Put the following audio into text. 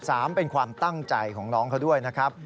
สามเป็นความตั้งใจของน้องเขาด้วยนะครับ